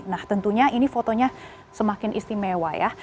nah tentunya ini fotonya semakin istimewa ya